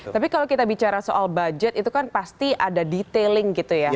tapi kalau kita bicara soal budget itu kan pasti ada detailing gitu ya